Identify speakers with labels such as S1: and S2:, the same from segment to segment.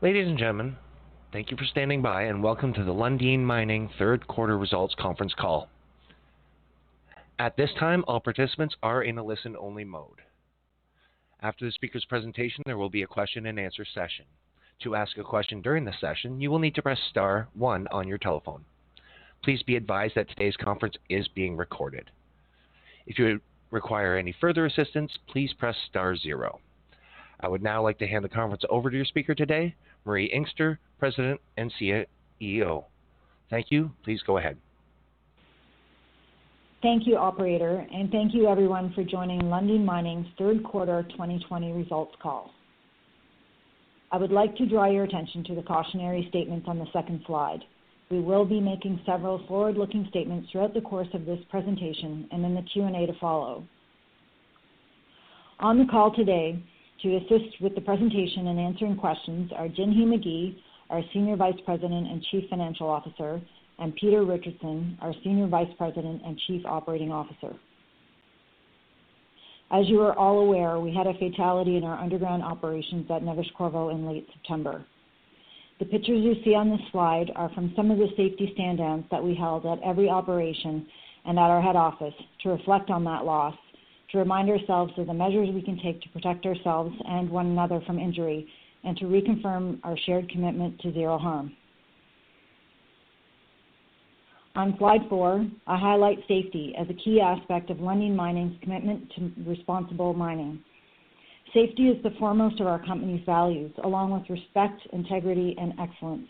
S1: Ladies and gentlemen, thank you for standing by, and welcome to the Lundin Mining third quarter results conference call. I would now like to hand the conference over to your speaker today, Marie Inkster, President and CEO. Thank you. Please go ahead.
S2: Thank you, operator, Thank you everyone for joining Lundin Mining's third quarter 2020 results call. I would like to draw your attention to the cautionary statements on the second slide. We will be making several forward-looking statements throughout the course of this presentation and in the Q&A to follow. On the call today to assist with the presentation and answering questions are Jinhee Magie, our Senior Vice President and Chief Financial Officer, and Peter Richardson, our Senior Vice President and Chief Operating Officer. As you are all aware, we had a fatality in our underground operations at Neves-Corvo in late September. The pictures you see on this slide are from some of the safety stand-downs that we held at every operation and at our head office to reflect on that loss, to remind ourselves of the measures we can take to protect ourselves and one another from injury, and to reconfirm our shared commitment to zero harm. On slide four, I highlight safety as a key aspect of Lundin Mining's commitment to responsible mining. Safety is the foremost of our company's values, along with respect, integrity, and excellence.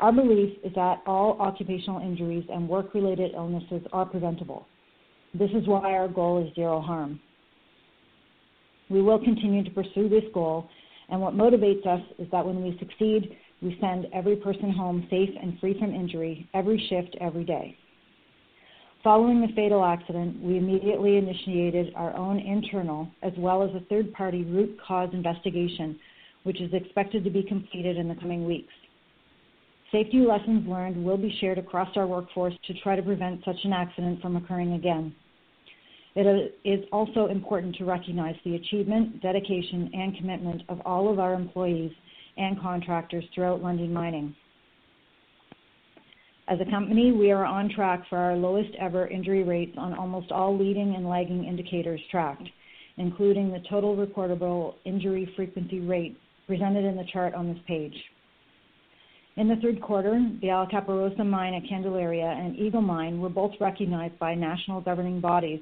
S2: Our belief is that all occupational injuries and work-related illnesses are preventable. This is why our goal is zero harm. We will continue to pursue this goal, and what motivates us is that when we succeed, we send every person home safe and free from injury, every shift, every day. Following the fatal accident, we immediately initiated our own internal as well as a third-party root cause investigation, which is expected to be completed in the coming weeks. Safety lessons learned will be shared across our workforce to try to prevent such an accident from occurring again. It is also important to recognize the achievement, dedication, and commitment of all of our employees and contractors throughout Lundin Mining. As a company, we are on track for our lowest-ever injury rates on almost all leading and lagging indicators tracked, including the total reportable injury frequency rate presented in the chart on this page. In the third quarter, the Alcaparrosa mine at Candelaria and Eagle mine were both recognized by national governing bodies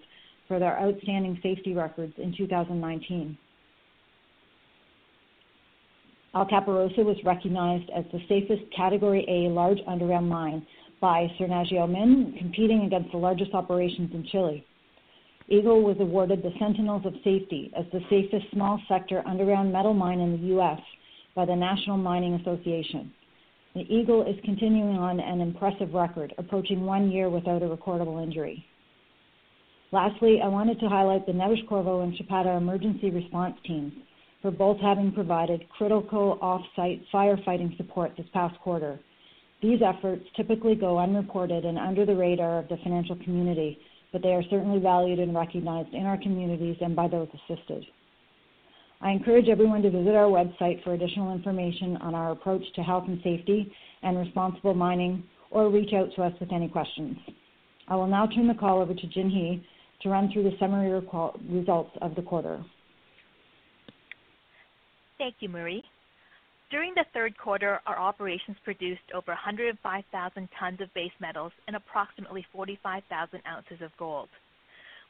S2: for their outstanding safety records in 2019. Alcaparrosa was recognized as the safest Category A large underground mine by SERNAGEOMIN, competing against the largest operations in Chile. Eagle was awarded the Sentinels of Safety as the safest small sector underground metal mine in the U.S. by the National Mining Association. The Eagle is continuing on an impressive record, approaching one year without a recordable injury. I wanted to highlight the Neves-Corvo and Chapada emergency response teams for both having provided critical off-site firefighting support this past quarter. These efforts typically go unreported and under the radar of the financial community, but they are certainly valued and recognized in our communities and by those assisted. I encourage everyone to visit our website for additional information on our approach to health and safety and responsible mining or reach out to us with any questions. I will now turn the call over to Jinhee to run through the summary results of the quarter.
S3: Thank you, Marie. During the third quarter, our operations produced over 105,000 tons of base metals and approximately 45,000 ounces of gold.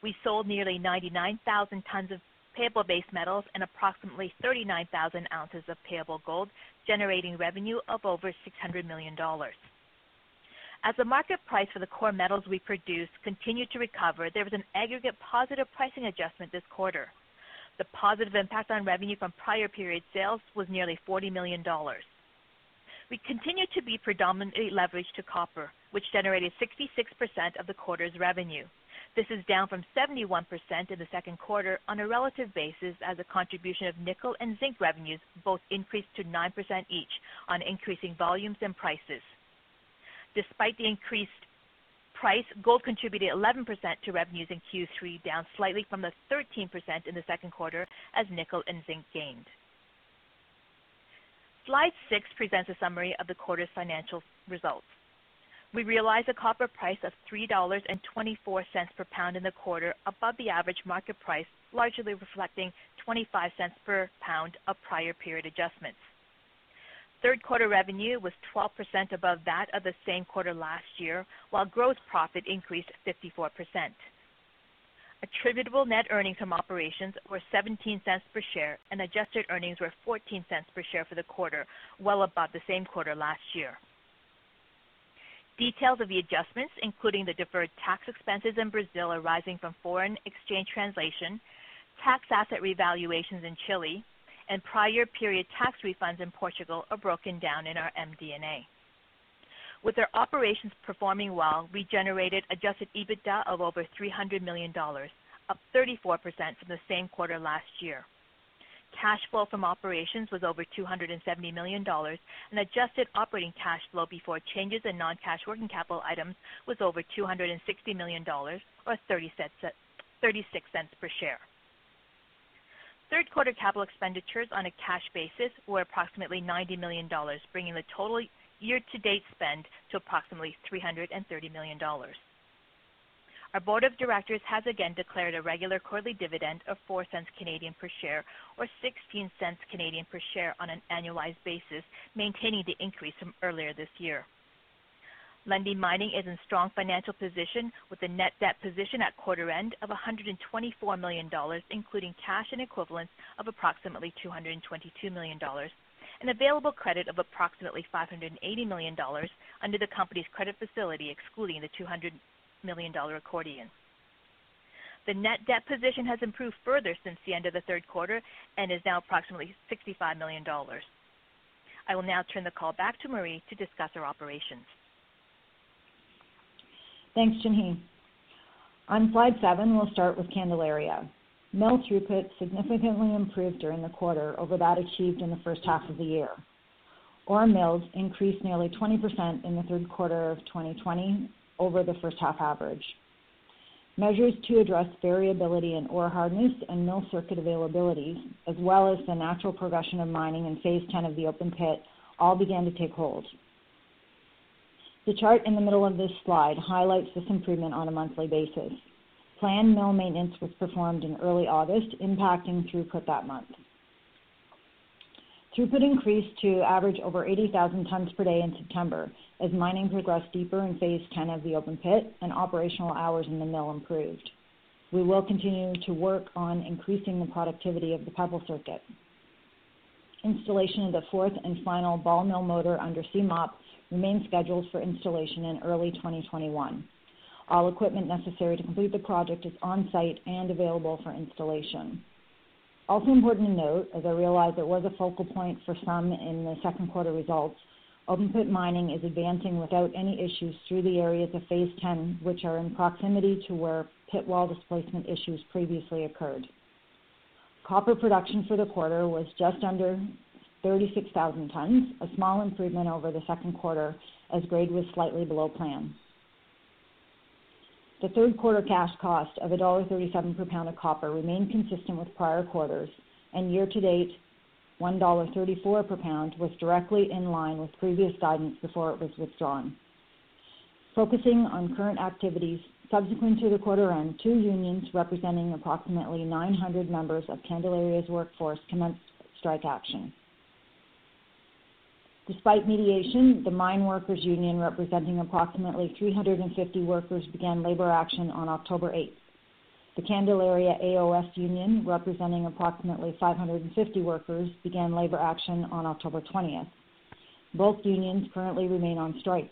S3: We sold nearly 99,000 tons of payable base metals and approximately 39,000 ounces of payable gold, generating revenue of over $600 million. As the market price for the core metals we produce continued to recover, there was an aggregate positive pricing adjustment this quarter. The positive impact on revenue from prior period sales was nearly $40 million. We continued to be predominantly leveraged to copper, which generated 66% of the quarter's revenue. This is down from 71% in the second quarter on a relative basis as a contribution of nickel and zinc revenues both increased to 9% each on increasing volumes and prices. Despite the increased price, gold contributed 11% to revenues in Q3, down slightly from the 13% in the second quarter as nickel and zinc gained. Slide six presents a summary of the quarter's financial results. We realized a copper price of 3.24 dollars per pound in the quarter above the average market price, largely reflecting 0.25 per pound of prior period adjustments. Third quarter revenue was 12% above that of the same quarter last year, while gross profit increased 54%. Attributable net earnings from operations were 0.17 per share, and adjusted earnings were 0.14 per share for the quarter, well above the same quarter last year. Details of the adjustments, including the deferred tax expenses in Brazil arising from foreign exchange translation, tax asset revaluations in Chile, and prior period tax refunds in Portugal, are broken down in our MD&A. With our operations performing well, we generated adjusted EBITDA of over 300 million dollars, up 34% from the same quarter last year. Cash flow from operations was over 270 million dollars, adjusted operating cash flow before changes in non-cash working capital items was over 260 million dollars, or 0.36 per share. Third quarter capital expenditures on a cash basis were approximately 90 million dollars, bringing the total year-to-date spend to approximately 330 million dollars. Our board of directors has again declared a regular quarterly dividend of 0.04 per share, or 0.16 per share on an annualized basis, maintaining the increase from earlier this year. Lundin Mining is in strong financial position, with a net debt position at quarter end of 124 million dollars, including cash and equivalents of approximately 222 million dollars, and available credit of approximately 580 million dollars under the company's credit facility, excluding the 200 million dollar accordion. The net debt position has improved further since the end of the third quarter and is now approximately 65 million dollars. I will now turn the call back to Marie to discuss our operations.
S2: Thanks, Jinhee. On slide seven, we'll start with Candelaria. Mill throughput significantly improved during the quarter over that achieved in the first half of the year. Ore milled increased nearly 20% in the third quarter of 2020 over the first half average. Measures to address variability in ore hardness and mill circuit availability, as well as the natural progression of mining in Phase 10 of the open pit, all began to take hold. The chart in the middle of this slide highlights this improvement on a monthly basis. Planned mill maintenance was performed in early August, impacting throughput that month. Throughput increased to average over 80,000 tons per day in September as mining progressed deeper in Phase 10 of the open pit and operational hours in the mill improved. We will continue to work on increasing the productivity of the pebble circuit. Installation of the fourth and final ball mill motor under CMOP remains scheduled for installation in early 2021. All equipment necessary to complete the project is on-site and available for installation. Also important to note, as I realize it was a focal point for some in the second quarter results, open pit mining is advancing without any issues through the areas of Phase 10, which are in proximity to where pit wall displacement issues previously occurred. Copper production for the quarter was just under 36,000 tons, a small improvement over the second quarter as grade was slightly below plan. The third quarter cash cost of dollar 1.37 per pound of copper remained consistent with prior quarters, and year-to-date 1.34 dollar per pound was directly in line with previous guidance before it was withdrawn. Focusing on current activities subsequent to the quarter end, two unions representing approximately 900 members of Candelaria's workforce commenced strike action. Despite mediation, the Mine Workers Union, representing approximately 350 workers, began labor action on October 8th. The Candelaria AOS Union, representing approximately 550 workers, began labor action on October 20th. Both unions currently remain on strike.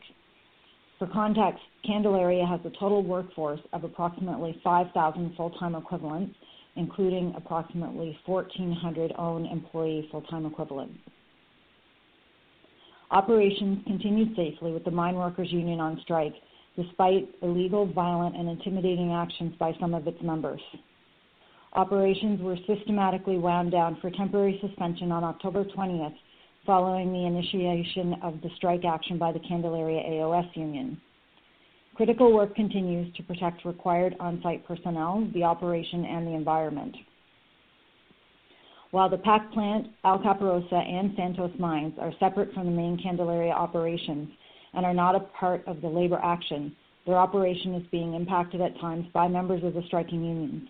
S2: For context, Candelaria has a total workforce of approximately 5,000 full-time equivalents, including approximately 1,400 own employee full-time equivalents. Operations continued safely with the Mine Workers Union on strike, despite illegal, violent, and intimidating actions by some of its members. Operations were systematically wound down for temporary suspension on October 20th, following the initiation of the strike action by the Candelaria AOS Union. Critical work continues to protect required on-site personnel, the operation, and the environment. While the PAC plant, Alcaparrosa, and Santos mine are separate from the main Candelaria operations and are not a part of the labor action, their operation is being impacted at times by members of the striking unions.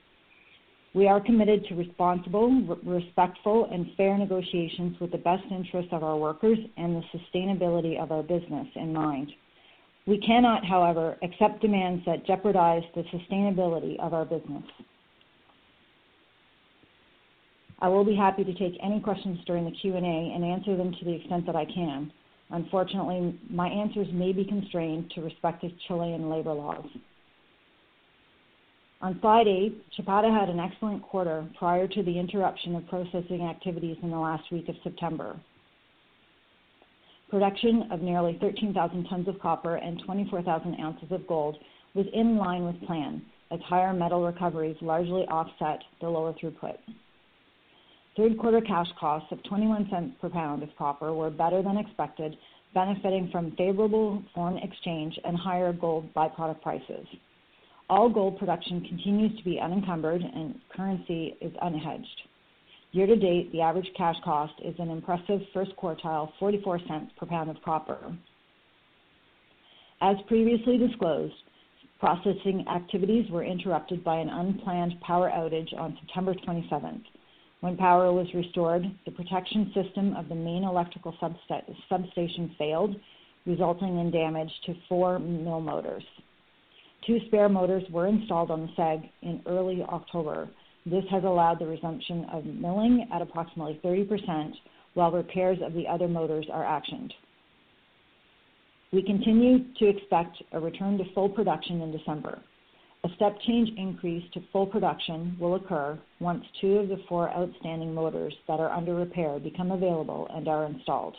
S2: We are committed to responsible, respectful, and fair negotiations with the best interests of our workers and the sustainability of our business in mind. We cannot, however, accept demands that jeopardize the sustainability of our business. I will be happy to take any questions during the Q&A and answer them to the extent that I can. Unfortunately, my answers may be constrained to respective Chilean labor laws. On slide eight, Chapada had an excellent quarter prior to the interruption of processing activities in the last week of September. Production of nearly 13,000 tons of copper and 24,000 ounces of gold was in line with plan as higher metal recoveries largely offset the lower throughput. Third quarter cash costs of 0.21 per pound of copper were better than expected, benefiting from favorable foreign exchange and higher gold byproduct prices. All gold production continues to be unencumbered and currency is unhedged. Year to date, the average cash cost is an impressive first quartile, 0.44 per pound of copper. As previously disclosed, processing activities were interrupted by an unplanned power outage on September 27th. When power was restored, the protection system of the main electrical substation failed, resulting in damage to four mill motors. Two spare motors were installed on the SAG in early October. This has allowed the resumption of milling at approximately 30%, while repairs of the other motors are actioned. We continue to expect a return to full production in December. A step change increase to full production will occur once 2 of the 4 outstanding motors that are under repair become available and are installed.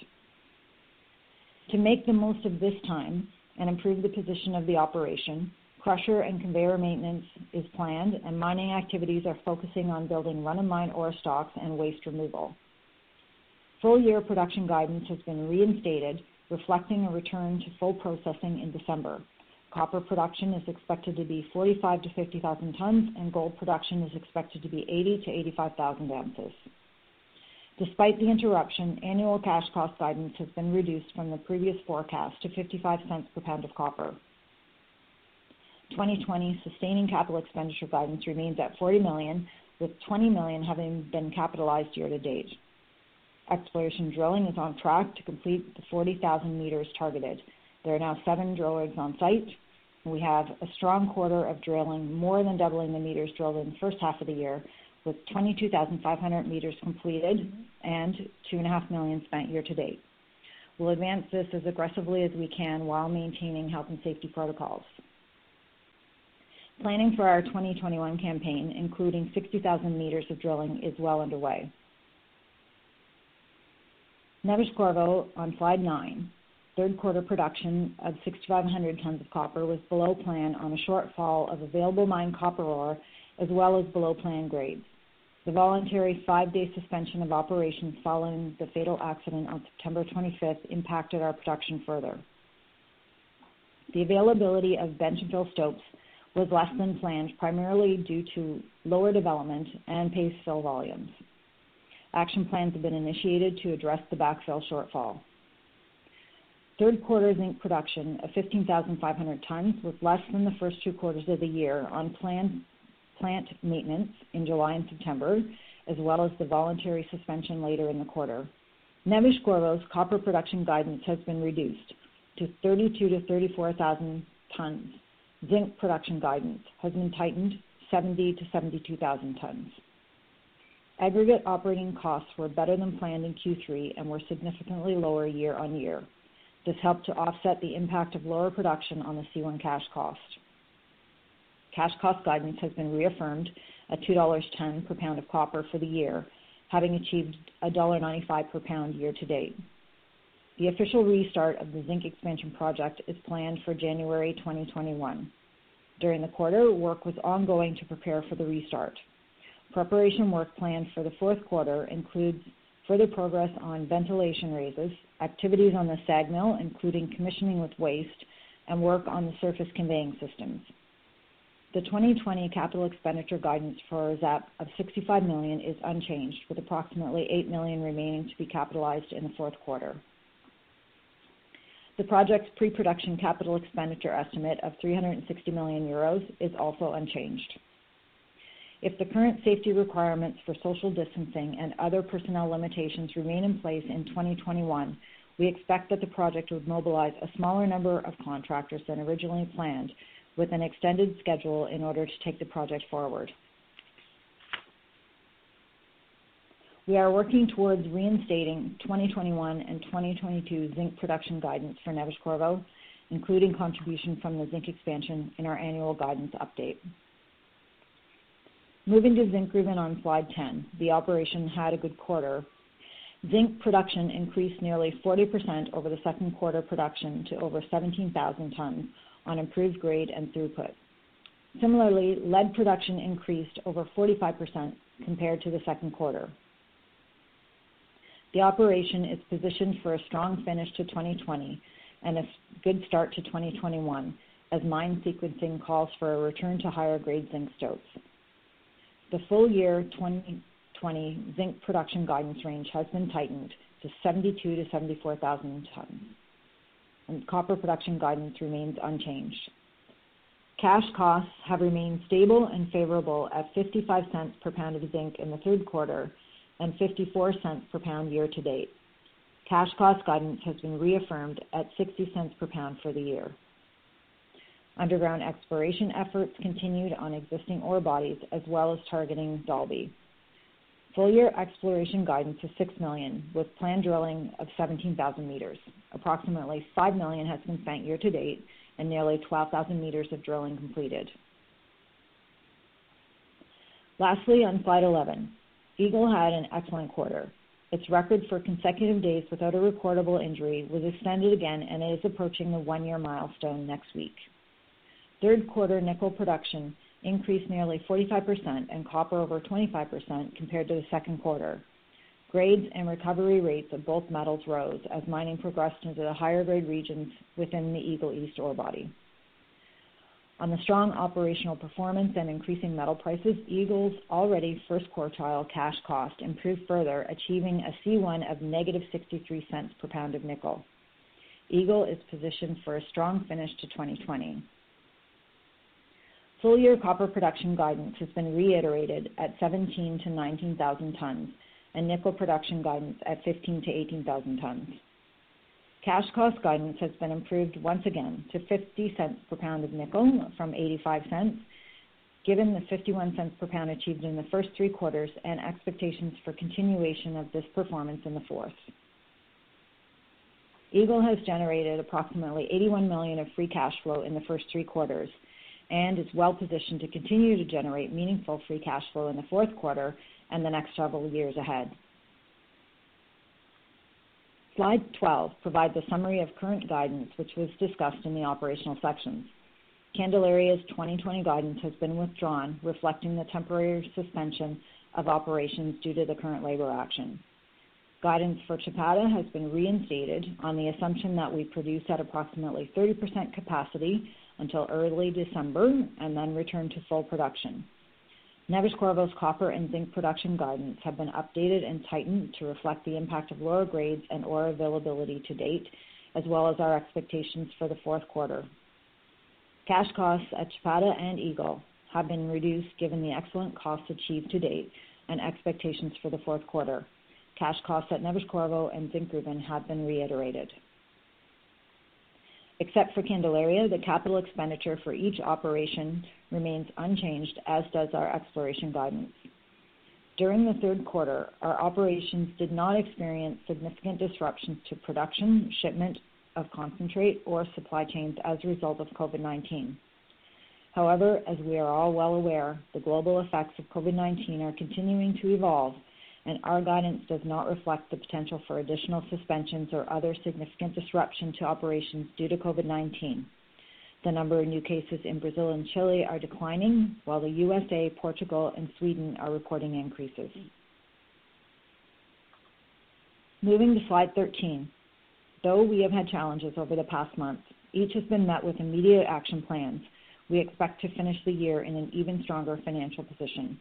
S2: To make the most of this time and improve the position of the operation, crusher and conveyor maintenance is planned, and mining activities are focusing on building run-of-mine ore stocks and waste removal. Full year production guidance has been reinstated, reflecting a return to full processing in December. Copper production is expected to be 45,000 tons-50,000 tons, and gold production is expected to be 80,000 ounces-85,000 ounces. Despite the interruption, annual cash cost guidance has been reduced from the previous forecast to 0.55 per pound of copper. 2020 sustaining capital expenditure guidance remains at 40 million, with 20 million having been capitalized year to date. Exploration drilling is on track to complete the 40,000 m targeted. There are now seven drill rigs on site. We have a strong quarter of drilling, more than doubling the meters drilled in the first half of the year, with 22,500 m completed and 2.5 million spent year to date. We'll advance this as aggressively as we can while maintaining health and safety protocols. Planning for our 2021 campaign, including 60,000 m of drilling, is well underway. Neves-Corvo on slide nine. Third quarter production of 6,500 tons of copper was below plan on a shortfall of available mined copper ore, as well as below-plan grades. The voluntary five-day suspension of operations following the fatal accident on September 25th impacted our production further. The availability of bench and fill stopes was less than planned, primarily due to lower development and paste fill volumes. Action plans have been initiated to address the backfill shortfall. Third quarter zinc production of 15,500 tons was less than the first two quarters of the year on plant maintenance in July and September, as well as the voluntary suspension later in the quarter. Neves-Corvo's copper production guidance has been reduced to 32,000-34,000 tons. Zinc production guidance has been tightened 70,000 tons-72,000 tons. Aggregate operating costs were better than planned in Q3 and were significantly lower year-over-year. This helped to offset the impact of lower production on the C1 cash cost. Cash cost guidance has been reaffirmed at $2.10 per pound of copper for the year, having achieved $1.95 per pound year to date. The official restart of the Zinc Expansion Project is planned for January 2021. During the quarter, work was ongoing to prepare for the restart. Preparation work plans for the fourth quarter includes further progress on ventilation raisers, activities on the SAG mill, including commissioning with waste, and work on the surface conveying systems. The 2020 capital expenditure guidance for ZEP of 65 million is unchanged, with approximately 8 million remaining to be capitalized in the fourth quarter. The project's pre-production capital expenditure estimate of 360 million euros is also unchanged. If the current safety requirements for social distancing and other personnel limitations remain in place in 2021, we expect that the project would mobilize a smaller number of contractors than originally planned, with an extended schedule in order to take the project forward. We are working towards reinstating 2021 and 2022 zinc production guidance for Neves-Corvo, including contribution from the Zinc Expansion Project in our annual guidance update. Moving to Zinkgruvan on slide 10. The operation had a good quarter. Zinc production increased nearly 40% over the second quarter production to over 17,000 tons on improved grade and throughput. Similarly, lead production increased over 45% compared to the second quarter. The operation is positioned for a strong finish to 2020 and a good start to 2021 as mine sequencing calls for a return to higher-grade zinc stopes. The full-year 2020 zinc production guidance range has been tightened to 72,000-74,000 tons, and copper production guidance remains unchanged. Cash costs have remained stable and favorable at 0.55 per pound of zinc in the third quarter and 0.54 per pound year-to-date. Cash cost guidance has been reaffirmed at 0.60 per pound for the year. Underground exploration efforts continued on existing ore bodies, as well as targeting Dalby. Full year exploration guidance is 6 million, with planned drilling of 17,000 m. Approximately 5 million has been spent year to date and nearly 12,000 m of drilling completed. Lastly, on slide 11, Eagle had an excellent quarter. Its record for consecutive days without a reportable injury was extended again and is approaching the one-year milestone next week. Third quarter nickel production increased nearly 45% and copper over 25% compared to the second quarter. Grades and recovery rates of both metals rose as mining progressed into the higher grade regions within the Eagle East ore body. On the strong operational performance and increasing metal prices, Eagle's already first quartile cash cost improved further, achieving a C1 of -0.63 per pound of nickel. Eagle is positioned for a strong finish to 2020. Full year copper production guidance has been reiterated at 17,000-19,000 tons and nickel production guidance at 15,000-18,000 tons. Cash cost guidance has been improved once again to 0.50 per pound of nickel from 0.85, given the 0.51 per pound achieved in the first three quarters and expectations for continuation of this performance in the fourth. Eagle has generated approximately 81 million of free cash flow in the first three quarters and is well positioned to continue to generate meaningful free cash flow in the fourth quarter and the next several years ahead. Slide 12 provides a summary of current guidance, which was discussed in the operational sections. Candelaria's 2020 guidance has been withdrawn, reflecting the temporary suspension of operations due to the current labor action. Guidance for Chapada has been reinstated on the assumption that we produce at approximately 30% capacity until early December and then return to full production. Neves-Corvo's copper and zinc production guidance have been updated and tightened to reflect the impact of lower grades and ore availability to date, as well as our expectations for the fourth quarter. Cash costs at Chapada and Eagle have been reduced given the excellent cost achieved to date and expectations for the fourth quarter. Cash costs at Neves-Corvo and Zinkgruvan have been reiterated. Except for Candelaria, the capital expenditure for each operation remains unchanged, as does our exploration guidance. During the third quarter, our operations did not experience significant disruptions to production, shipment of concentrate, or supply chains as a result of COVID-19. As we are all well aware, the global effects of COVID-19 are continuing to evolve, and our guidance does not reflect the potential for additional suspensions or other significant disruption to operations due to COVID-19. The number of new cases in Brazil and Chile are declining, while the U.S.A., Portugal, and Sweden are reporting increases. Moving to slide 13. Though we have had challenges over the past month, each has been met with immediate action plans. We expect to finish the year in an even stronger financial position.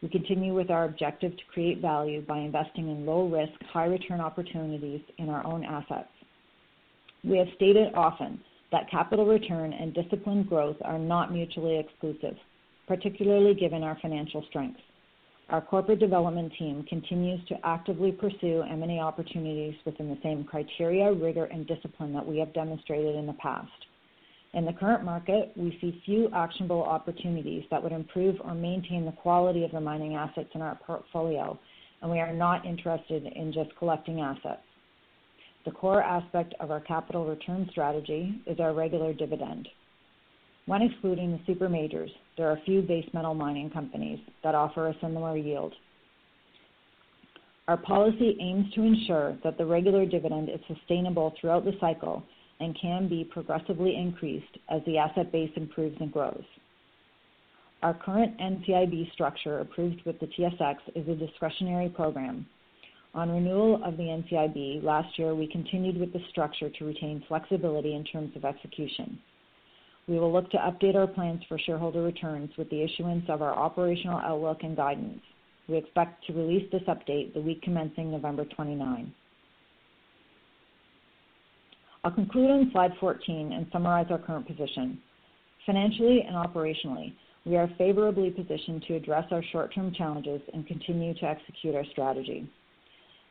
S2: We continue with our objective to create value by investing in low-risk, high-return opportunities in our own assets. We have stated often that capital return and disciplined growth are not mutually exclusive, particularly given our financial strength. Our corporate development team continues to actively pursue M&A opportunities within the same criteria, rigor, and discipline that we have demonstrated in the past. In the current market, we see few actionable opportunities that would improve or maintain the quality of the mining assets in our portfolio, and we are not interested in just collecting assets. The core aspect of our capital return strategy is our regular dividend. When excluding the super majors, there are few base metal mining companies that offer a similar yield. Our policy aims to ensure that the regular dividend is sustainable throughout the cycle and can be progressively increased as the asset base improves and grows. Our current NCIB structure approved with the TSX is a discretionary program. On renewal of the NCIB last year, we continued with the structure to retain flexibility in terms of execution. We will look to update our plans for shareholder returns with the issuance of our operational outlook and guidance. We expect to release this update the week commencing November 29. I'll conclude on slide 14 and summarize our current position. Financially and operationally, we are favorably positioned to address our short-term challenges and continue to execute our strategy.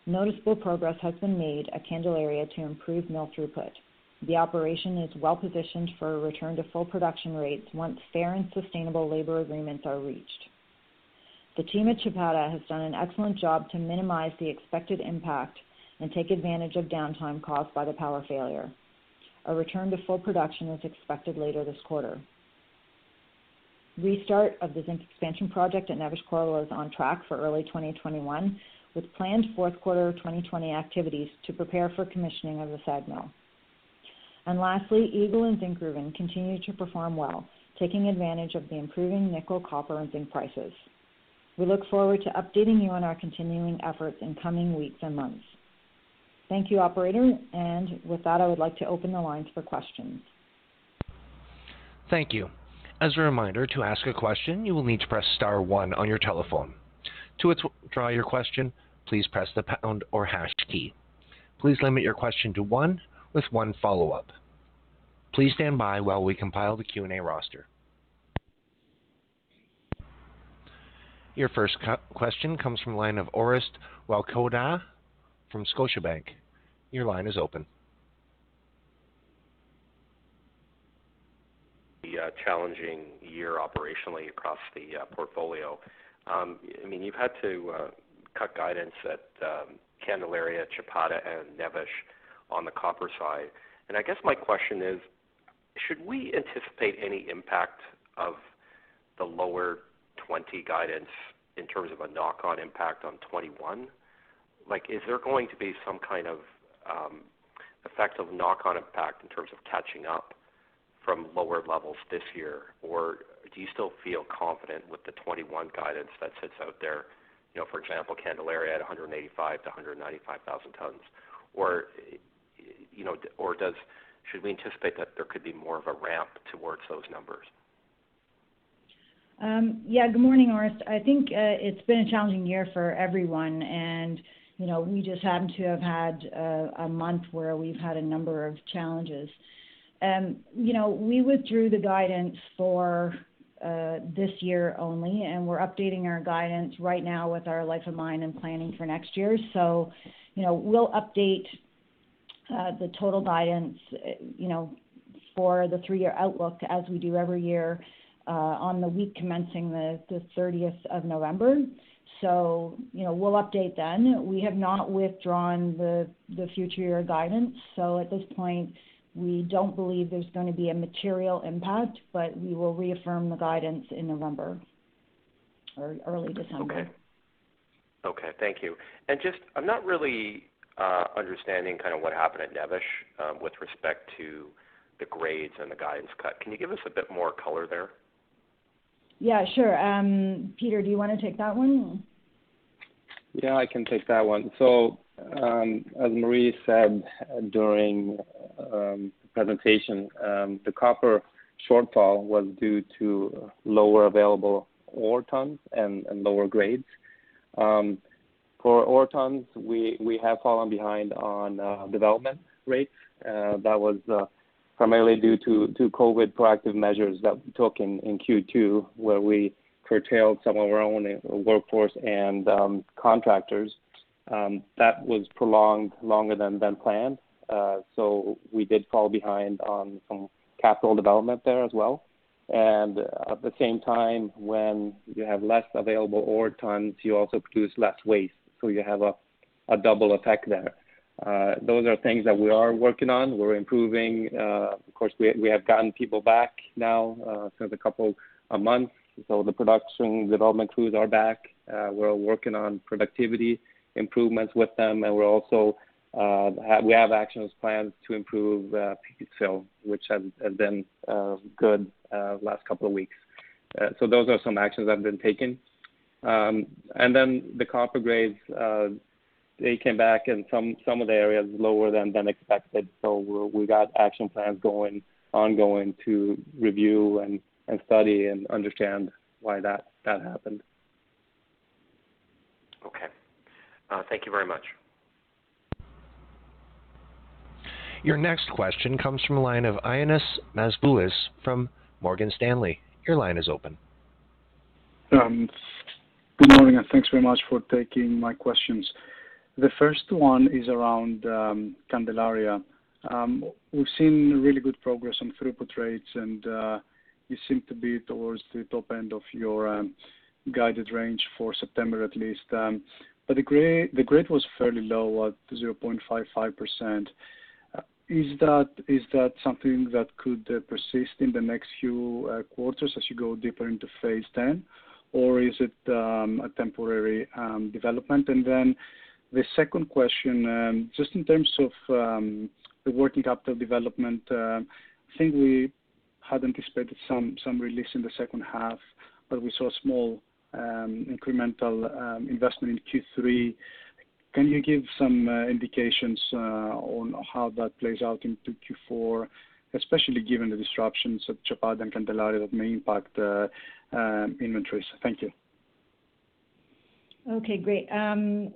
S2: Noticeable progress has been made at Candelaria to improve mill throughput. The operation is well-positioned for a return to full production rates once fair and sustainable labor agreements are reached. The team at Chapada has done an excellent job to minimize the expected impact and take advantage of downtime caused by the power failure. A return to full production is expected later this quarter. Restart of the Zinc Expansion Project at Neves-Corvo is on track for early 2021, with planned fourth quarter 2020 activities to prepare for commissioning of the SAG mill. Lastly, Eagle and Zinkgruvan continue to perform well, taking advantage of the improving nickel, copper, and zinc prices. We look forward to updating you on our continuing efforts in coming weeks and months. Thank you, operator. With that, I would like to open the lines for questions.
S1: Thank you. As a reminder, to ask a question, you will need to press star one on your telephone. To withdraw your question, please press the pound or hash key. Please limit your question to one with one follow-up. Please stand by while we compile the Q&A roster. Your first question comes from the line of Orest Wowkodaw from Scotiabank. Your line is open.
S4: The challenging year operationally across the portfolio. You've had to cut guidance at Candelaria, Chapada, and Neves on the copper side. I guess my question is, should we anticipate any impact of the lower 2020 guidance in terms of a knock-on impact on 2021? Is there going to be some kind of effective knock-on impact in terms of catching up from lower levels this year? Do you still feel confident with the 2021 guidance that sits out there, for example, Candelaria at 185,000-195,000 tons? Should we anticipate that there could be more of a ramp towards those numbers?
S2: Yeah. Good morning, Orest. I think it's been a challenging year for everyone, and we just happen to have had a month where we've had a number of challenges. We withdrew the guidance for this year only, and we're updating our guidance right now with our life of mine and planning for next year. We'll update the total guidance for the three-year outlook as we do every year on the week commencing the November 30th. We'll update then. We have not withdrawn the future year guidance, so at this point, we don't believe there's going to be a material impact, but we will reaffirm the guidance in November, early December.
S4: Okay. Thank you. Just, I am not really understanding what happened at Neves-Corvo with respect to the grades and the guidance cut. Can you give us a bit more color there?
S2: Yeah, sure. Peter, do you want to take that one?
S5: Yeah, I can take that one. As Marie said during presentation, the copper shortfall was due to lower available ore tons and lower grades. For ore tons, we have fallen behind on development rates. That was primarily due to COVID proactive measures that we took in Q2, where we curtailed some of our own workforce and contractors. That was prolonged longer than planned. We did fall behind on some capital development there as well. At the same time, when you have less available ore tons, you also produce less waste. You have a double effect there. Those are things that we are working on. We're improving. Of course, we have gotten people back now since a couple a month. The production development crews are back. We're working on productivity improvements with them, and we have action plans to improve paste fill, which has been good last couple of weeks. Those are some actions that have been taken. The copper grades, they came back in some of the areas lower than expected. We've got action plans ongoing to review and study and understand why that happened.
S4: Okay. Thank you very much.
S1: Your next question comes from the line of Ioannis Masvoulas from Morgan Stanley. Your line is open.
S6: Good morning. Thanks very much for taking my questions. The first one is around Candelaria. We've seen really good progress on throughput rates, and you seem to be towards the top end of your guided range for September at least. The grade was fairly low at 0.55%. Is that something that could persist in the next few quarters as you go deeper into Phase 10, or is it a temporary development? The second question, just in terms of the working capital development, I think we had anticipated some release in the second half, but we saw small incremental investment in Q3. Can you give some indications on how that plays out into Q4, especially given the disruptions of Chapada and Candelaria that may impact inventories? Thank you.
S2: Okay, great. In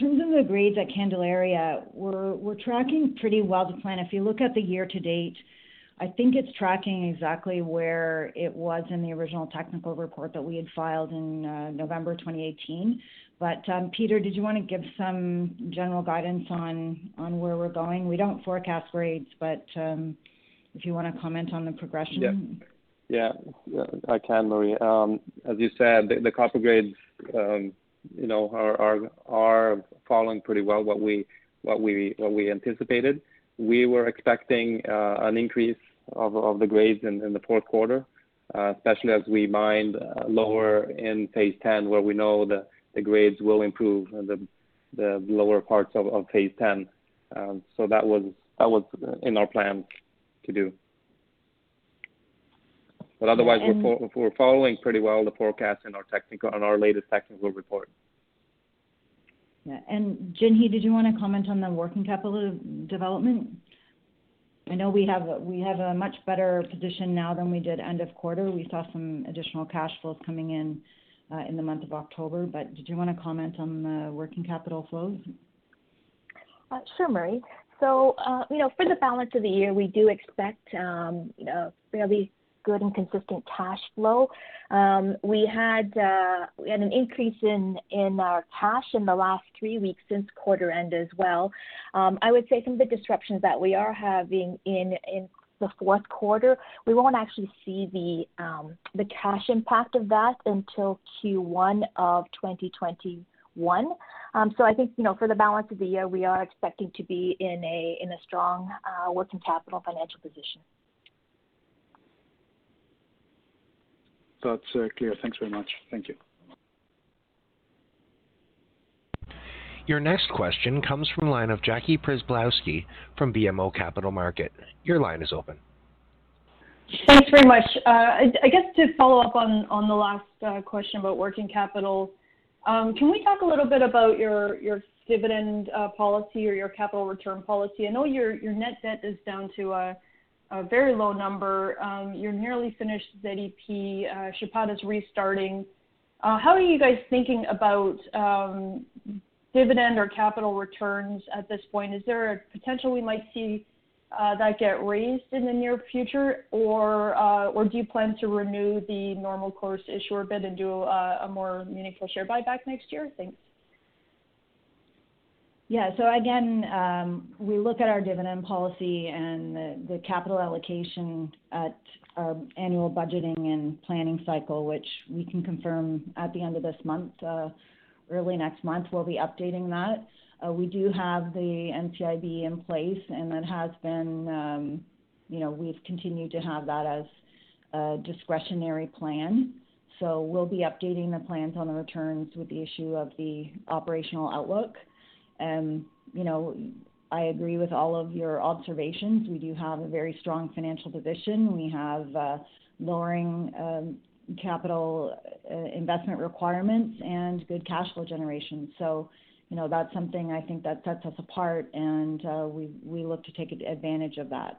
S2: terms of the grades at Candelaria, we're tracking pretty well to plan. If you look at the year to date, I think it's tracking exactly where it was in the original technical report that we had filed in November 2018. Peter, did you want to give some general guidance on where we're going? We don't forecast grades, but if you want to comment on the progression.
S5: Yeah, I can, Marie. As you said, the copper grades are following pretty well what we anticipated. We were expecting an increase of the grades in the fourth quarter, especially as we mined lower in phase 10, where we know the grades will improve in the lower parts of phase 10. That was in our plan to do.
S2: And-
S5: We're following pretty well the forecast on our latest technical report.
S2: Yeah. Jinhee, did you want to comment on the working capital development? I know we have a much better position now than we did end of quarter. We saw some additional cash flows coming in the month of October. Did you want to comment on the working capital flows?
S3: Sure, Marie. For the balance of the year, we do expect a fairly good and consistent cash flow. We had an increase in our cash in the last three weeks since quarter end as well. I would say some of the disruptions that we are having in the fourth quarter, we won't actually see the cash impact of that until Q1 of 2021. I think, for the balance of the year, we are expecting to be in a strong working capital financial position.
S6: That's clear. Thanks very much. Thank you.
S1: Your next question comes from line of Jackie Przybylowski from BMO Capital Markets. Your line is open.
S7: Thanks very much. I guess to follow up on the last question about working capital. Can we talk a little bit about your dividend policy or your capital return policy? I know your net debt is down to a very low number. You're nearly finished ZEP. Chapada's restarting. How are you guys thinking about dividend or capital returns at this point? Is there a potential we might see that get raised in the near future, or do you plan to renew the normal course issuer bid and do a more meaningful share buyback next year? Thanks.
S2: Yeah. Again, we look at our dividend policy and the capital allocation at annual budgeting and planning cycle, which we can confirm at the end of this month. Early next month, we'll be updating that. We do have the NCIB in place, and we've continued to have that as a discretionary plan. We'll be updating the plans on the returns with the issue of the operational outlook. You know, I agree with all of your observations. We do have a very strong financial position. We have lowering capital investment requirements and good cash flow generation. That's something I think that sets us apart, and we look to take advantage of that.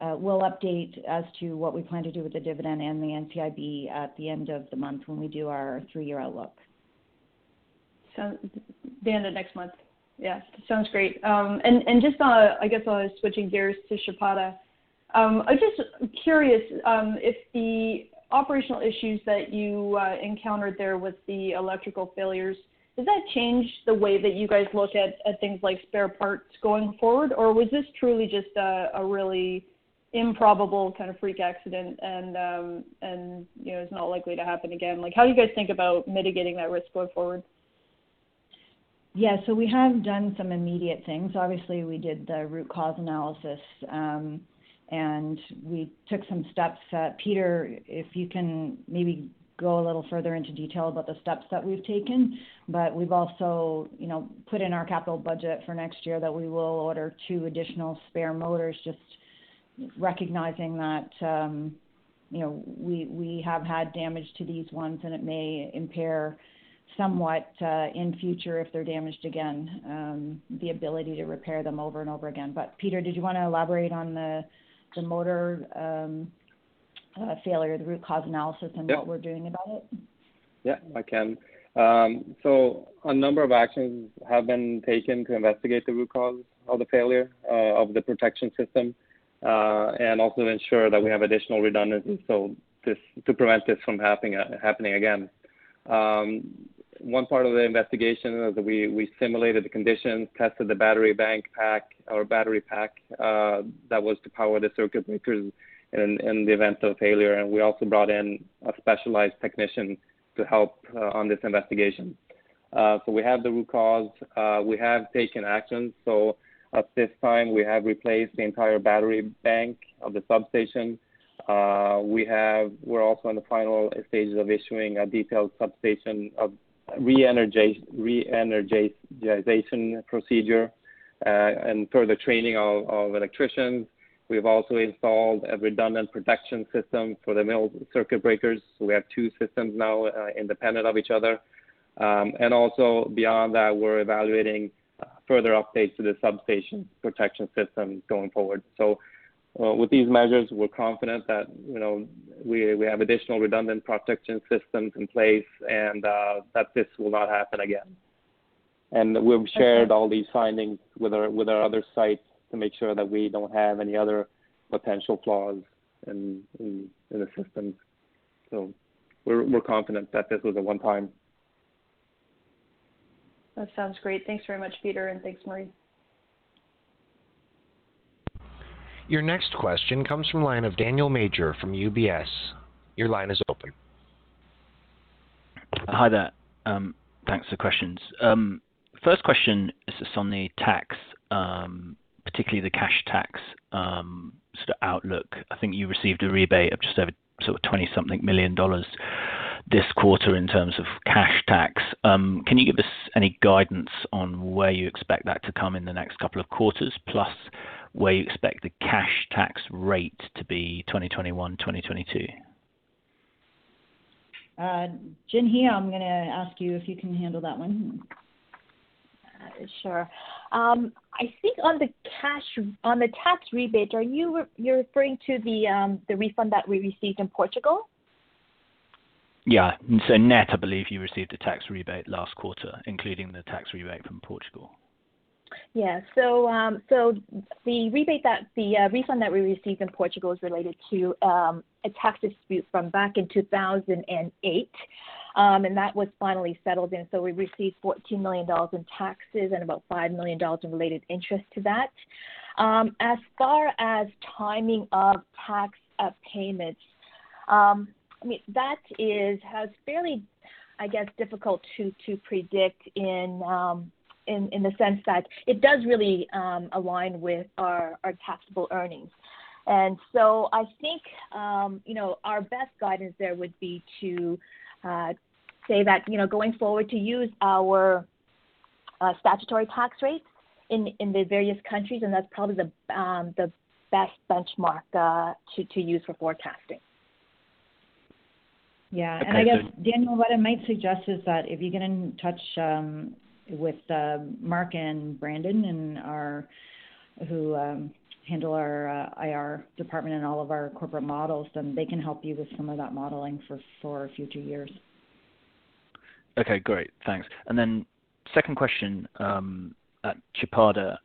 S2: We'll update as to what we plan to do with the dividend and the NCIB at the end of the month when we do our three-year outlook.
S7: Sounds the end of next month. Yes. Sounds great. Just, I guess I was switching gears to Chapada. I'm just curious if the operational issues that you encountered there with the electrical failures, does that change the way that you guys look at things like spare parts going forward? Was this truly just a really improbable kind of freak accident and it's not likely to happen again? How do you guys think about mitigating that risk going forward?
S2: We have done some immediate things. We did the root cause analysis, and we took some steps. Peter, if you can maybe go a little further into detail about the steps that we've taken. We've also put in our capital budget for next year that we will order two additional spare motors, just recognizing that we have had damage to these ones, and it may impair somewhat, in future if they're damaged again, the ability to repair them over and over again. Peter, did you want to elaborate on the motor failure, the root cause analysis, and what we're doing about it?
S5: Yeah, I can. A number of actions have been taken to investigate the root cause of the failure of the protection system, and also to ensure that we have additional redundancy to prevent this from happening again. One part of the investigation is that we simulated the conditions, tested the battery pack, that was to power the circuit breakers in the event of failure, and we also brought in a specialized technician to help on this investigation. We have the root cause. We have taken action. At this time, we have replaced the entire battery bank of the substation. We are also in the final stages of issuing a detailed substation re-energization procedure, and further training of electricians. We have also installed a redundant protection system for the mill circuit breakers, so we have two systems now, independent of each other. Also beyond that, we're evaluating further updates to the substation protection system going forward. With these measures, we're confident that we have additional redundant protection systems in place and that this will not happen again. We've shared all these findings with our other sites to make sure that we don't have any other potential flaws in the systems. We're confident that this was a one-time.
S7: That sounds great. Thanks very much, Peter, and thanks, Marie.
S1: Your next question comes from the line of Daniel Major from UBS. Your line is open.
S8: Hi there. Thanks for questions. First question is just on the tax, particularly the cash tax outlook. I think you received a rebate of just over 20 something million this quarter in terms of cash tax. Can you give us any guidance on where you expect that to come in the next couple of quarters, plus where you expect the cash tax rate to be 2021, 2022?
S2: Jinhee, I'm going to ask you if you can handle that one.
S3: Sure. I think on the tax rebate, you're referring to the refund that we received in Portugal?
S8: Yeah. Net, I believe you received a tax rebate last quarter, including the tax rebate from Portugal.
S3: The refund that we received in Portugal is related to a tax dispute from back in 2008. That was finally settled in, so we received 14 million dollars in taxes and about 5 million dollars in related interest to that. As far as timing of tax of payments, that is fairly, I guess, difficult to predict in the sense that it does really align with our taxable earnings. I think our best guidance there would be to say that, going forward, to use our statutory tax rates in the various countries, and that's probably the best benchmark to use for forecasting.
S8: Okay, good.
S2: Yeah. I guess, Daniel, what I might suggest is that if you get in touch with Mark and Brandon who handle our IR department and all of our corporate models, then they can help you with some of that modeling for future years.
S8: Okay, great. Thanks. Second question, Chapada,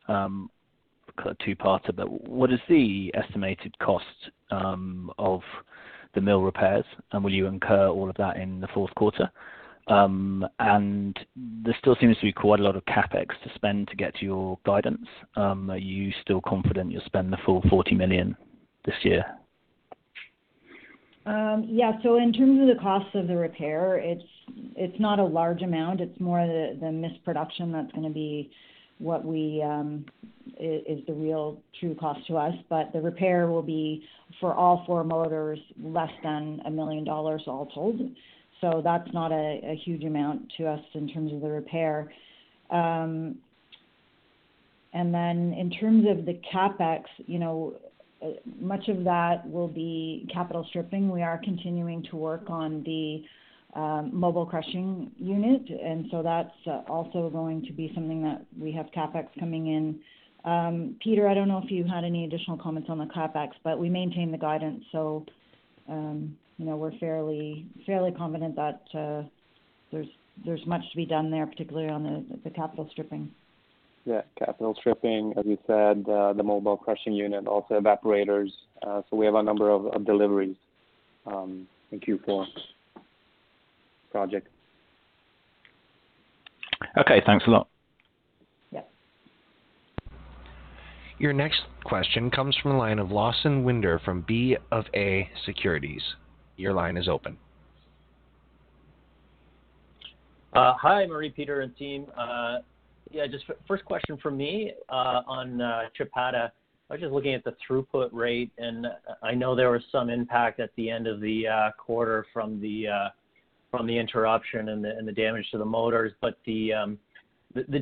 S8: two parter, but what is the estimated cost of the mill repairs, and will you incur all of that in the fourth quarter? There still seems to be quite a lot of CapEx to spend to get to your guidance. Are you still confident you'll spend the full 40 million this year?
S2: Yeah. In terms of the cost of the repair, it's not a large amount. It's more the misproduction that's going to be the real true cost to us. The repair will be, for all four motors, less than 1 million dollars all told. That's not a huge amount to us in terms of the repair. Then in terms of the CapEx, much of that will be capital stripping. We are continuing to work on the mobile crushing unit. So that's also going to be something that we have CapEx coming in. Peter, I don't know if you had any additional comments on the CapEx, but we maintain the guidance. We're fairly confident that there's much to be done there, particularly on the capital stripping.
S5: Yeah. Capital stripping, as you said, the mobile crushing unit, also evaporators. We have a number of deliveries in Q4 project.
S8: Okay. Thanks a lot.
S2: Yes.
S1: Your next question comes from the line of Lawson Winder from BofA Securities. Your line is open.
S9: Hi, Marie, Peter, and team. Just first question from me on Chapada. I was just looking at the throughput rate, and I know there was some impact at the end of the quarter from the interruption and the damage to the motors. The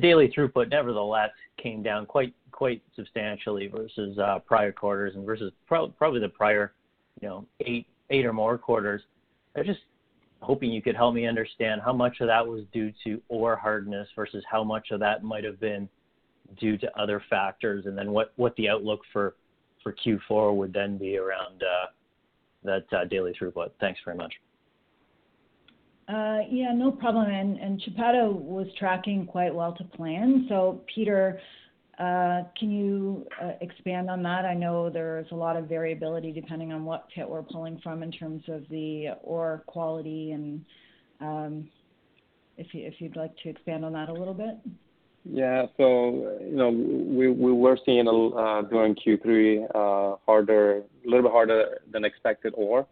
S9: daily throughput nevertheless came down quite substantially versus prior quarters and versus probably the prior eight or more quarters. I was just hoping you could help me understand how much of that was due to ore hardness versus how much of that might have been due to other factors, and then what the outlook for Q4 would then be around that daily throughput. Thanks very much.
S2: Yeah, no problem. Chapada was tracking quite well to plan. Peter, can you expand on that? I know there's a lot of variability depending on what pit we're pulling from in terms of the ore quality and if you'd like to expand on that a little bit.
S5: Yeah. We were seeing during Q3 a little bit harder than expected ore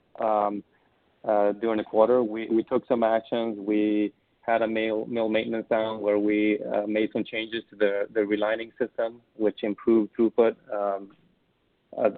S5: during the quarter. We took some actions. We had a mill maintenance down where we made some changes to the relining system, which improved throughput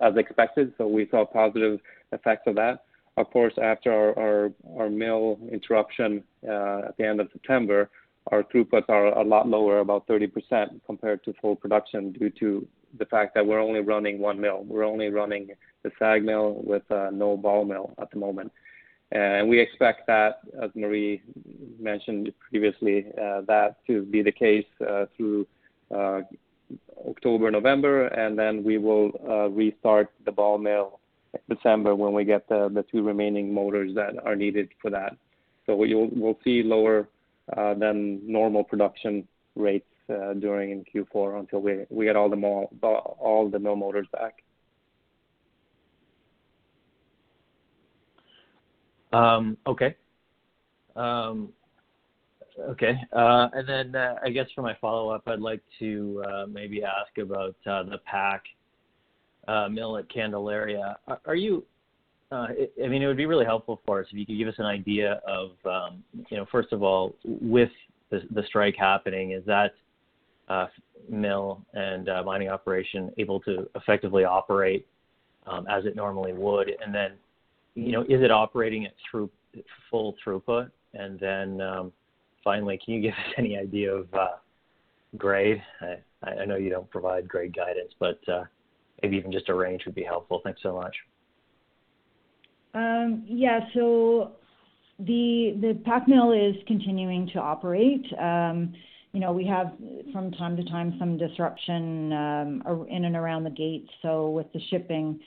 S5: as expected. We saw positive effects of that. Of course, after our mill interruption at the end of September, our throughputs are a lot lower, about 30%, compared to full production due to the fact that we're only running one mill. We're only running the SAG mill with no ball mill at the moment. We expect that, as Marie mentioned previously, that to be the case through October, November, and then we will restart the ball mill December when we get the two remaining motors that are needed for that. We'll see lower than normal production rates during Q4 until we get all the mill motors back.
S9: Okay. I guess for my follow-up, I'd like to maybe ask about the PAC mill at Candelaria. It would be really helpful for us if you could give us an idea of, first of all, with the strike happening, is that mill and mining operation able to effectively operate as it normally would? Is it operating at full throughput? Finally, can you give us any idea of grade? I know you don't provide grade guidance, but maybe even just a range would be helpful. Thanks so much.
S2: Yeah. The PAC mill is continuing to operate. We have, from time to time, some disruption in and around the gate with the shipping,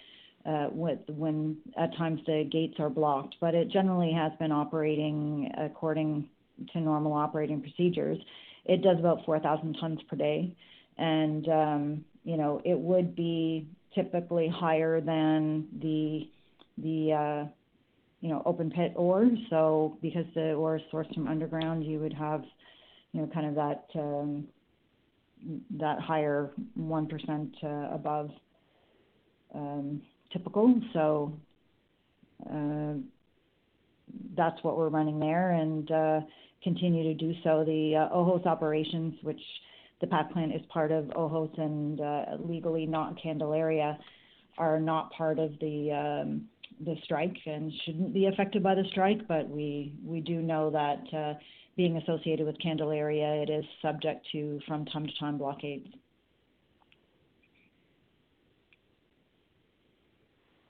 S2: when at times the gates are blocked. It generally has been operating according to normal operating procedures. It does about 4,000 tons per day, and it would be typically higher than the open pit ore. Because the ore is sourced from underground, you would have that higher 1% above typical. That's what we're running there and continue to do so. The Ojos operations, which the PAC plant is part of Ojos and legally not Candelaria, are not part of the strike and shouldn't be affected by the strike. We do know that being associated with Candelaria, it is subject to, from time to time, blockades.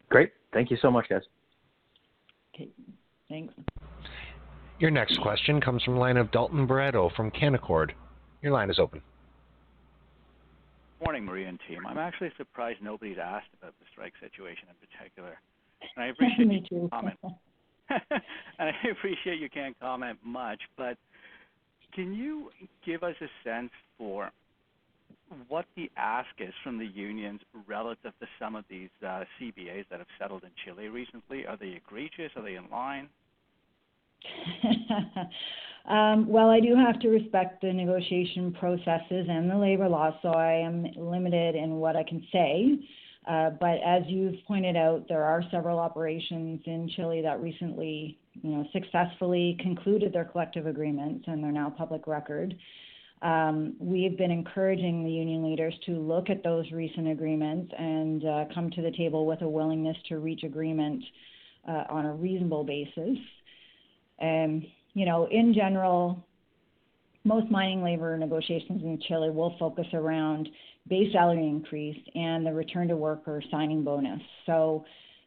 S9: Great. Thank you so much, guys.
S2: Okay, thanks.
S1: Your next question comes from the line of Dalton Baretto from Canaccord Genuity. Your line is open.
S10: Morning, Marie and team. I'm actually surprised nobody's asked about the strike situation in particular. I appreciate you can't comment. I appreciate you can't comment much, but can you give us a sense for what the ask is from the unions relative to some of these CBAs that have settled in Chile recently? Are they egregious? Are they in line?
S2: Well, I do have to respect the negotiation processes and the labor laws, so I am limited in what I can say. As you've pointed out, there are several operations in Chile that recently successfully concluded their collective agreements, and they're now public record. We've been encouraging the union leaders to look at those recent agreements and come to the table with a willingness to reach agreement on a reasonable basis. In general, most mining labor negotiations in Chile will focus around base salary increase and the return to work or signing bonus.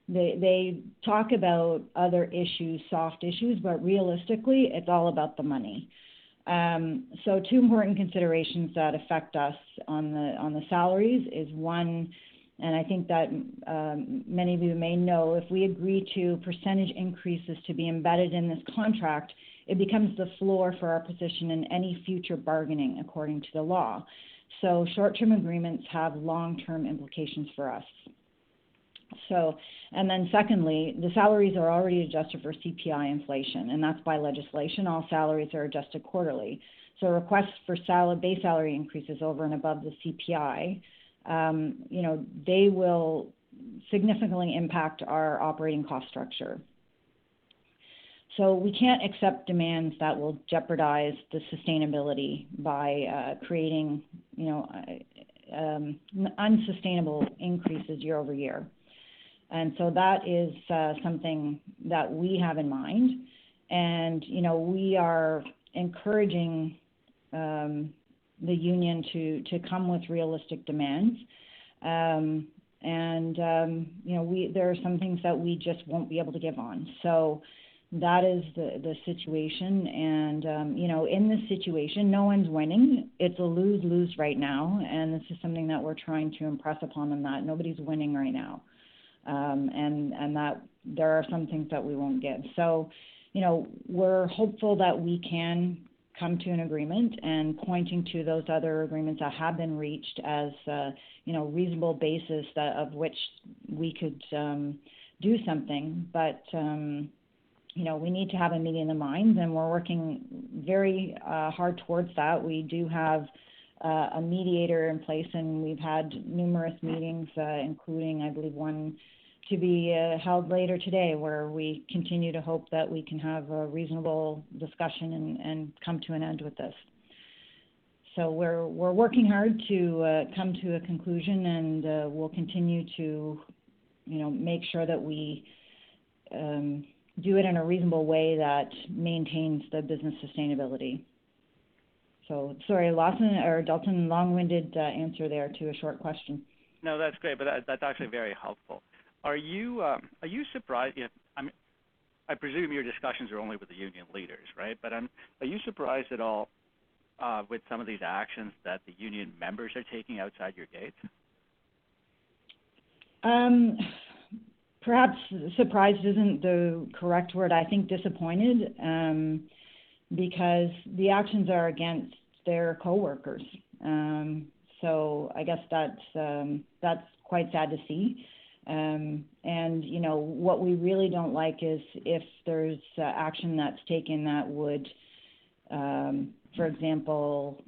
S2: They talk about other issues, soft issues, but realistically, it's all about the money. Two important considerations that affect us on the salaries is one, and I think that many of you may know, if we agree to percentage increases to be embedded in this contract, it becomes the floor for our position in any future bargaining, according to the law. Short-term agreements have long-term implications for us. Secondly, the salaries are already adjusted for CPI inflation, and that's by legislation. All salaries are adjusted quarterly. Requests for base salary increases over and above the CPI, they will significantly impact our operating cost structure. We can't accept demands that will jeopardize the sustainability by creating unsustainable increases year over year. That is something that we have in mind, and we are encouraging the union to come with realistic demands. There are some things that we just won't be able to give on. That is the situation, and in this situation, no one's winning. It's a lose-lose right now, and this is something that we're trying to impress upon them that nobody's winning right now. That there are some things that we won't give. So, we're hopeful that we can come to an agreement and pointing to those other agreements that have been reached as a reasonable basis of which we could do something. We need to have a meeting of the minds, and we're working very hard towards that. We do have a mediator in place, and we've had numerous meetings, including, I believe, one to be held later today, where we continue to hope that we can have a reasonable discussion and come to an end with this. We're working hard to come to a conclusion, and we'll continue to make sure that we do it in a reasonable way that maintains the business sustainability. Sorry, Lawson or Dalton, long-winded answer there to a short question.
S10: No, that's great. That's actually very helpful. I presume your discussions are only with the union leaders, right? Are you surprised at all with some of these actions that the union members are taking outside your gates?
S2: Perhaps surprised isn't the correct word. I think disappointed, because the actions are against their coworkers. I guess that's quite sad to see. What we really don't like is if there's action that's taken that would, for example,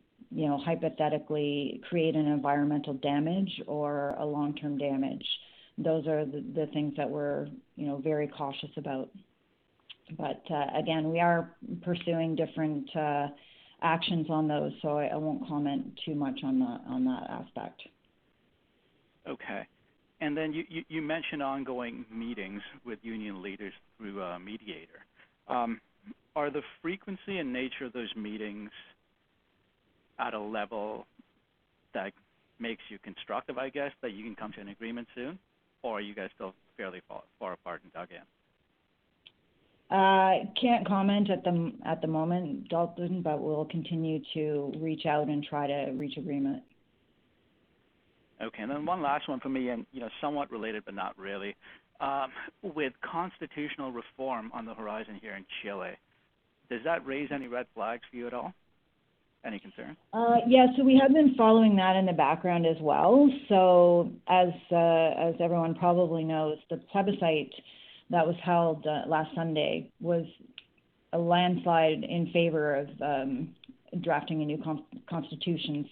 S2: hypothetically create an environmental damage or a long-term damage. Those are the things that we're very cautious about. Again, we are pursuing different actions on those, so I won't comment too much on that aspect.
S10: Okay. You mentioned ongoing meetings with union leaders through a mediator. Are the frequency and nature of those meetings at a level that makes you constructive, I guess, that you can come to an agreement soon? Are you guys still fairly far apart and dug in?
S2: I can't comment at the moment, Dalton, but we'll continue to reach out and try to reach agreement.
S10: Okay, one last one from me, and somewhat related, but not really. With constitutional reform on the horizon here in Chile, does that raise any red flags for you at all? Any concern?
S2: We have been following that in the background as well. As everyone probably knows, the plebiscite that was held last Sunday was a landslide in favor of drafting a new constitution.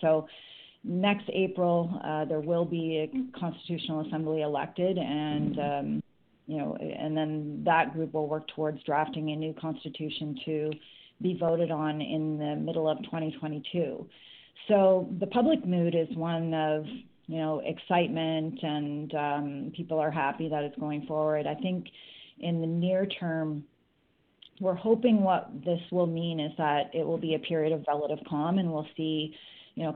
S2: Next April, there will be a constitutional assembly elected and then that group will work towards drafting a new constitution to be voted on in the middle of 2022. The public mood is one of excitement and people are happy that it's going forward. I think in the near term, we're hoping what this will mean is that it will be a period of relative calm, and we'll see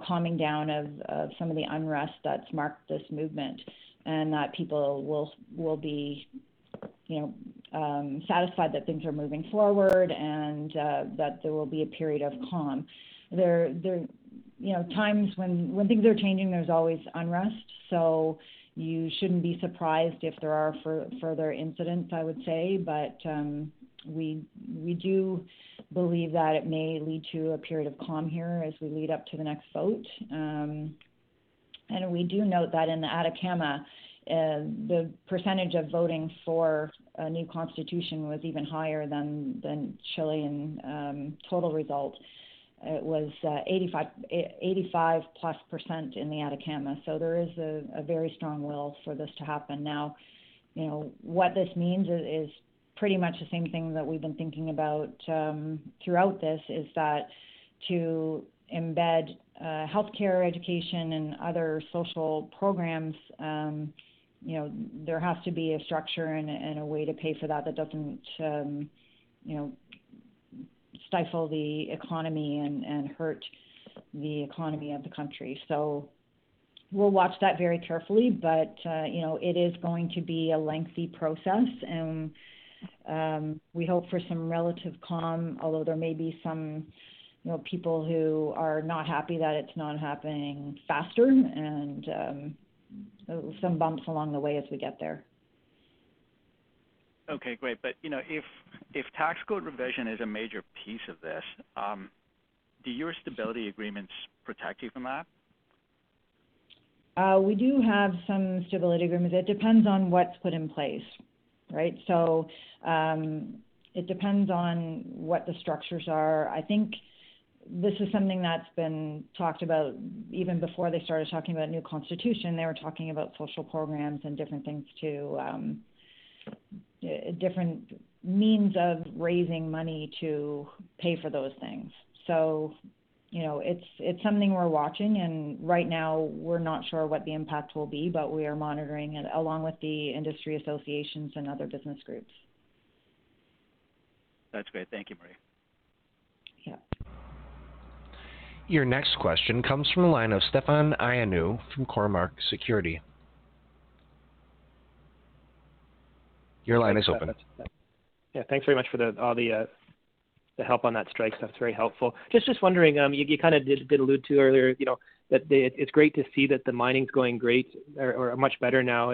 S2: calming down of some of the unrest that's marked this movement, and that people will be satisfied that things are moving forward and that there will be a period of calm. Times when things are changing, there's always unrest. You shouldn't be surprised if there are further incidents, I would say. We do believe that it may lead to a period of calm here as we lead up to the next vote. We do note that in the Atacama, the percentage of voting for a new constitution was even higher than Chilean total result. It was 85%+ in the Atacama. There is a very strong will for this to happen. What this means is pretty much the same thing that we've been thinking about throughout this, is that to embed healthcare education and other social programs, there has to be a structure and a way to pay for that doesn't stifle the economy and hurt the economy of the country. We'll watch that very carefully, but it is going to be a lengthy process and we hope for some relative calm, although there may be some people who are not happy that it's not happening faster and some bumps along the way as we get there.
S10: Okay, great. If tax code revision is a major piece of this, do your stability agreements protect you from that?
S2: We do have some stability agreements. It depends on what's put in place, right? It depends on what the structures are. I think this is something that's been talked about even before they started talking about a new Constitution, they were talking about social programs and different means of raising money to pay for those things. It's something we're watching, and right now we're not sure what the impact will be, but we are monitoring it along with the industry associations and other business groups.
S10: That's great. Thank you, Marie.
S2: Yeah.
S1: Your next question comes from the line of Stefan Ioannou from Cormark Securities. Your line is open.
S11: Yeah. Thanks very much for all the help on that strike stuff, it's very helpful. Just wondering, you kind of did allude to earlier, that it's great to see that the mining's going great or much better now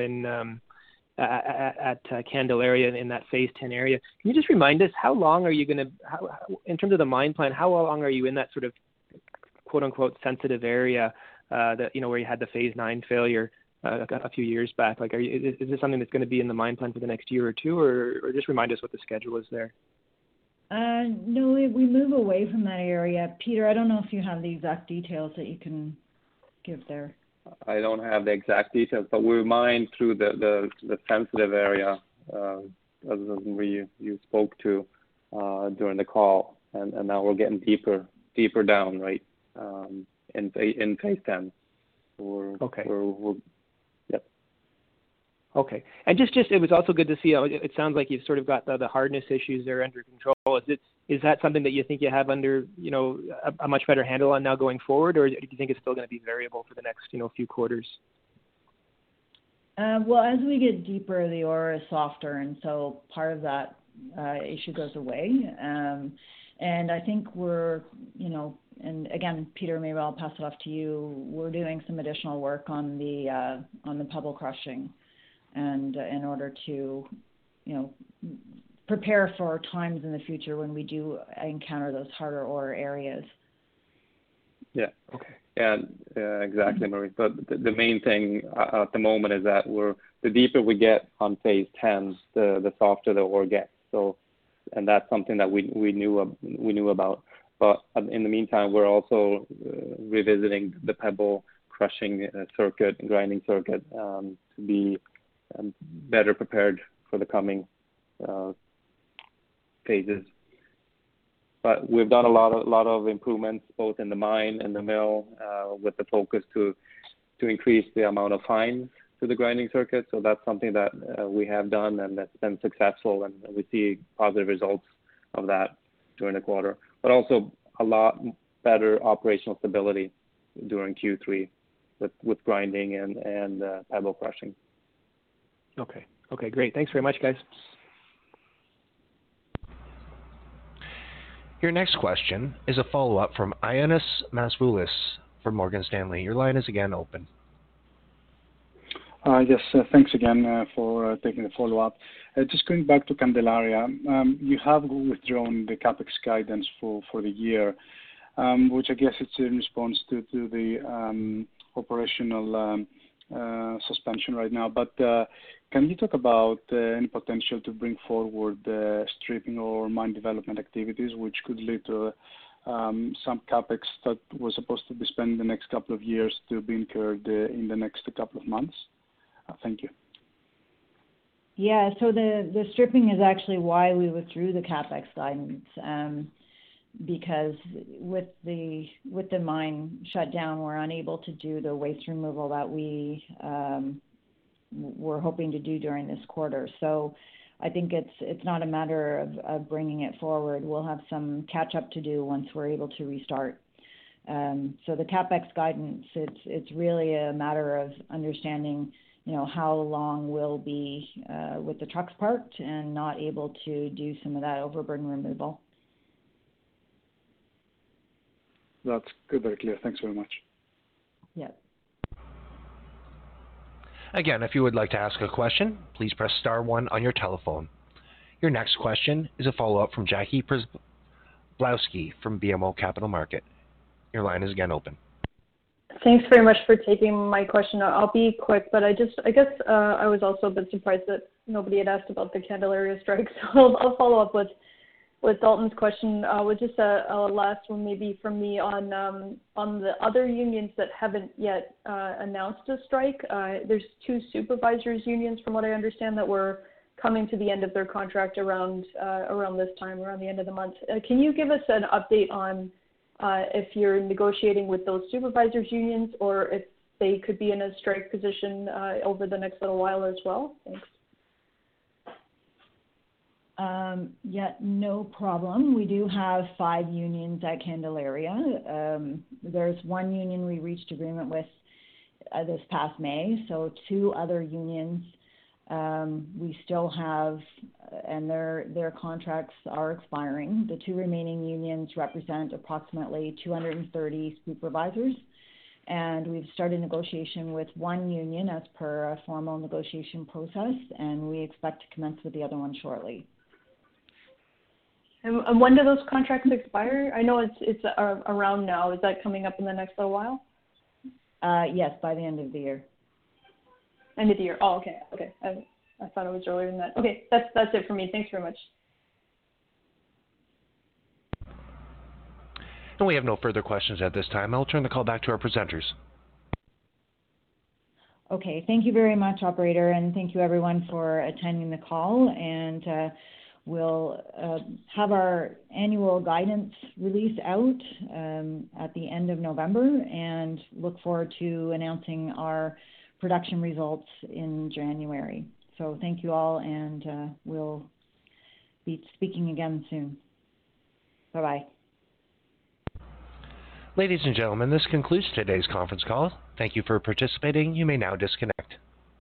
S11: at Candelaria in that Phase 10 area. Can you just remind us, in terms of the mine plan, how long are you in that sort of, quote unquote, "sensitive area" where you had the Phase 9 failure a few years back? Is this something that's going to be in the mine plan for the next year or two or just remind us what the schedule is there.
S2: No, we move away from that area. Peter, I don't know if you have the exact details that you can give there.
S5: I don't have the exact details, but we mine through the sensitive area, as we spoke to during the call, and now we're getting deeper down, right, in Phase 10.
S11: Okay.
S5: Yep.
S11: Okay. It was also good to see, it sounds like you've sort of got the hardness issues there under control. Is that something that you think you have a much better handle on now going forward, or do you think it's still going to be variable for the next few quarters?
S2: Well, as we get deeper, the ore is softer, and so part of that issue goes away. I think, and again, Peter, maybe I'll pass it off to you, we're doing some additional work on the pebble crushing in order to prepare for times in the future when we do encounter those harder ore areas.
S5: Yeah.
S11: Okay.
S5: Exactly, Marie. The main thing at the moment is that the deeper we get on Phase 10, the softer the ore gets. That's something that we knew about. In the meantime, we're also revisiting the pebble crushing circuit and grinding circuit to be better prepared for the coming phases. We've done a lot of improvements both in the mine and the mill with the focus to increase the amount of fine to the grinding circuit. That's something that we have done and that's been successful, and we see positive results of that during the quarter, but also a lot better operational stability during Q3 with grinding and pebble crushing.
S11: Okay. Great. Thanks very much, guys.
S1: Your next question is a follow-up from Ioannis Masvoulas from Morgan Stanley. Your line is again open.
S6: Yes, thanks again for taking the follow-up. Just going back to Candelaria. You have withdrawn the CapEx guidance for the year, which I guess it's in response to the operational suspension right now. Can you talk about any potential to bring forward the stripping or mine development activities, which could lead to some CapEx that was supposed to be spent in the next couple of years to be incurred in the next couple of months? Thank you.
S2: The stripping is actually why we withdrew the CapEx guidance, because with the mine shut down, we're unable to do the waste removal that we were hoping to do during this quarter. I think it's not a matter of bringing it forward. We'll have some catch up to do once we're able to restart. The CapEx guidance, it's really a matter of understanding how long we'll be with the trucks parked and not able to do some of that overburden removal.
S6: That's good, very clear. Thanks very much.
S2: Yeah.
S1: Again, if you would like to ask a question, please press star one on your telephone. Your next question is a follow-up from Jackie Przybylowski from BMO Capital Markets. Your line is again open.
S7: Thanks very much for taking my question. I'll be quick, but I guess I was also a bit surprised that nobody had asked about the Candelaria strike, so I'll follow up with Dalton's question with just a last one maybe from me on the other unions that haven't yet announced a strike. There's two supervisors unions from what I understand, that were coming to the end of their contract around this time, around the end of the month. Can you give us an update on if you're negotiating with those supervisors unions or if they could be in a strike position over the next little while as well? Thanks.
S2: Yeah, no problem. We do have five unions at Candelaria. There's one union we reached agreement with this past May. Two other unions we still have and their contracts are expiring. The two remaining unions represent approximately 230 supervisors, and we've started negotiation with one union as per a formal negotiation process, and we expect to commence with the other one shortly.
S7: When do those contracts expire? I know it's around now. Is that coming up in the next little while?
S2: Yes. By the end of the year.
S7: End of the year. Oh, okay. I thought it was earlier than that. Okay, that's it for me. Thanks very much.
S1: We have no further questions at this time. I'll turn the call back to our presenters.
S2: Okay. Thank you very much, operator, and thank you everyone for attending the call. We'll have our annual guidance release out at the end of November and look forward to announcing our production results in January. Thank you all and we'll be speaking again soon. Bye-bye.
S1: Ladies and gentlemen, this concludes today's conference call. Thank you for participating. You may now disconnect.